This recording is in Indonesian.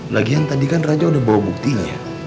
lagian tadi kan raja udah bawa buktinya